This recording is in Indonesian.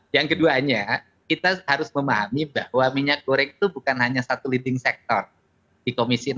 yang keduanya kita harus memahami bahwa minyak goreng itu bukan hanya satu leading sector di komisi enam